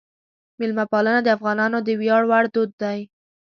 میلمهپالنه د افغانانو د ویاړ وړ دود دی.